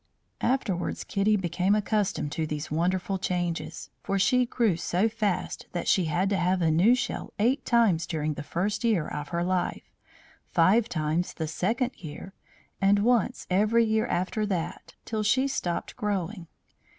Afterwards Kitty became accustomed to these wonderful changes; for she grew so fast that she had to have a new shell eight times during the first year of her life, five times the second year, and once every year after that till she stopped growing.